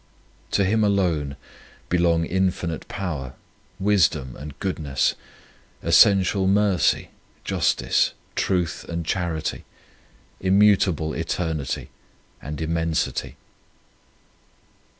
To Him alone belong infinite power, wisdom, and goodness, essential mercy, justice, truth, and charity, immutable eternity, and immensity.